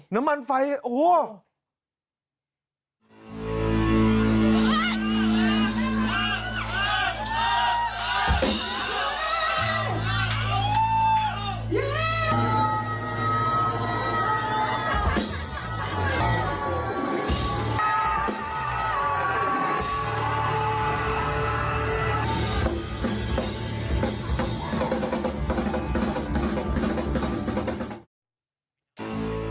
น้ำมันไฟโอ้โห